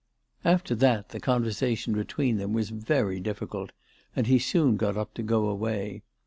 After that the conversation between them was very difficult, and he soon got up to go away.